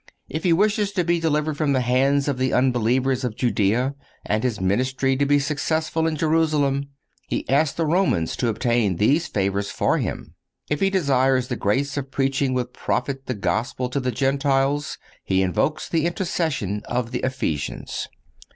If he wishes to be delivered from the hands of the unbelievers of Judea, and his ministry to be successful in Jerusalem, he asks the Romans to obtain these favors for him. If he desires the grace of preaching with profit the Gospel to the Gentiles, he invokes the intercession of the Ephesians.